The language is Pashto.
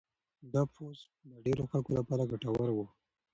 دا پوسټ د ډېرو خلکو لپاره ګټور و.